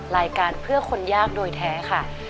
รายการเพื่อคนยากโดยแท้ค่ะ